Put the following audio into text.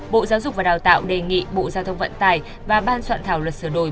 bộ giáo dục và đào tạo đề nghị bộ giao thông vận tải và ban soạn thảo luật sửa đổi